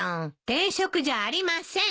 転職じゃありません！